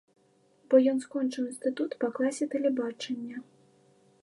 Бо ён скончыў інстытут па класе тэлебачання.